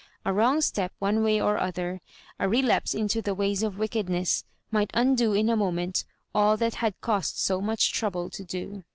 A wrong step one way or other — a relapse into the ways of wick^edness— might undo in a moment all that had cost so much trouble to do.